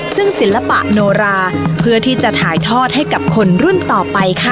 ซึ่งศิลปะโนราเพื่อที่จะถ่ายทอดให้กับคนรุ่นต่อไปค่ะ